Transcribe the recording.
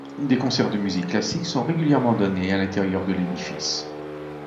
Des concerts de musique classique sont régulièrement donnés à l'intérieur de l'édifice.